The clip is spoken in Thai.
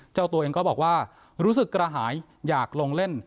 เจ้าตัวเองก็บอกว่ารู้สึกกระหายอยากลงเล่น